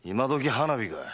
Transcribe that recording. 花火かい。